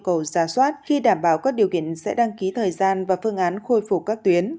cầu giả soát khi đảm bảo các điều kiện sẽ đăng ký thời gian và phương án khôi phục các tuyến